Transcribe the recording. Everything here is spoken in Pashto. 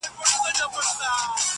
زما پر زړه دغه ګيله وه ښه دى تېره سوله.